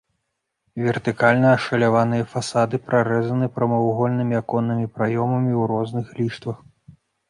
Вертыкальна ашаляваныя фасады прарэзаны прамавугольнымі аконнымі праёмамі ў разных ліштвах.